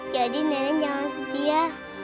jadi nenek jangan setia